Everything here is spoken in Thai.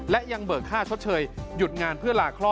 และยังเบิกค่าชดเชยหยุดงานเพื่อลาคลอด